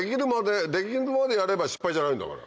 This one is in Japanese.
できるまでやれば失敗じゃないんだから。